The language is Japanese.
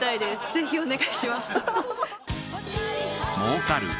ぜひお願いします